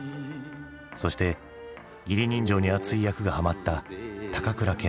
そして義理人情にあつい役がハマった高倉健だ。